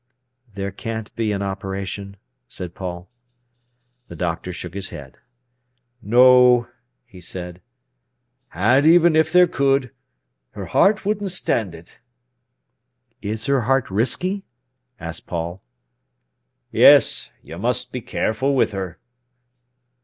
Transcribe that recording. "There can't be an operation?" said Paul. The doctor shook his head. "No," he said; "and even if there could, her heart wouldn't stand it." "Is her heart risky?" asked Paul. "Yes; you must be careful with her."